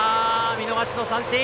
見逃しの三振！